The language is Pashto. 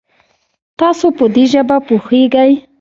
تاسو په دي ژبه پوهږئ؟